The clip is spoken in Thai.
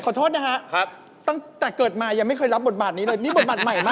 โทษนะฮะครับตั้งแต่เกิดมายังไม่เคยรับบทบาทนี้เลยนี่บทบาทใหม่มาก